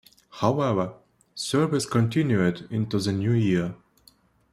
However, service continued into the new year.